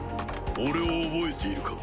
俺を覚えているか？